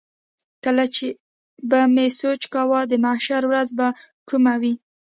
کله چې به مې سوچ کاوه د محشر ورځ به کومه وي.